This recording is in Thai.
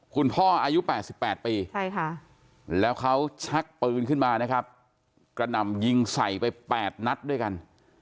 คุณพ่ออายุ๘๘ปีแล้วเขาชักปืนขึ้นมานะครับกระหน่ำยิงใส่ไป๘นัดด้วยกัน